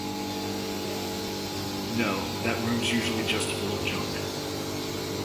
No, that room's usually just full of junk.